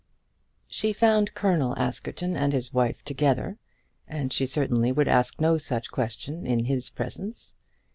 She found Colonel Askerton and his wife together, and she certainly would ask no such question in his presence.